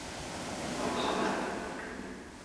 ډېره ډوډۍ ماڼۍ ته نه وه وړل سوې.